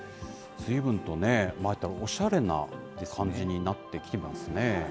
ずいぶんとね、またおしゃれな感じになってきていますね。